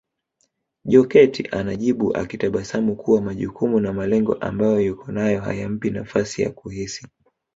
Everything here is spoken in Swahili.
Jokate anajibu akitabasamu kuwa majukumu na malengo ambayo yuko nayo hayampi nafasi ya kuhisi